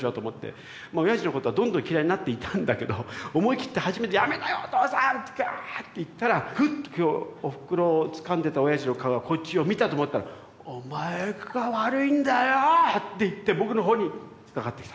親父のことはどんどん嫌いになっていたんだけど思い切って初めて「やめなよお父さん！」ってガーッっていったらグッとこうおふくろをつかんでたおやじの顔がこっちを見たと思ったら「お前が悪いんだよ！」って言って僕のほうにかかってきた。